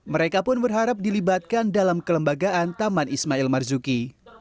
mereka pun berharap dilibatkan dalam kelembagaan taman ismail marzuki